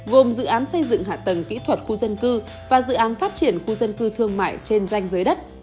gồm dự án xây dựng hạ tầng kỹ thuật khu dân cư và dự án phát triển khu dân cư thương mại trên danh giới đất